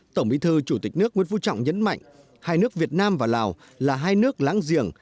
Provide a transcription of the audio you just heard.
tổng bí thư chủ tịch nước nguyễn phú trọng nhấn mạnh hai nước việt nam và lào là hai nước láng giềng